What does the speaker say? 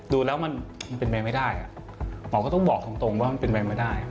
ดูแล้วมันเป็นไปไม่ได้หมอก็ต้องบอกตรงว่ามันเป็นไปไม่ได้